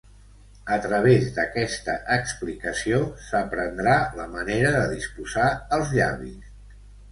A través d'aquesta explicació s'aprendrà la manera de disposar els Llavis.